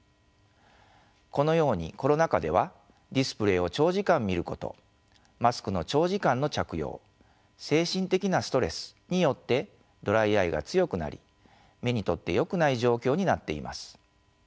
このようにコロナ禍ではディスプレイを長時間見ることマスクの長時間の着用精神的なストレスによってドライアイが強くなり目にとってよくない状況になっています。